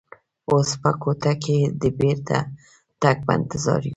اوس په کوټه کې د بېرته تګ په انتظار یو.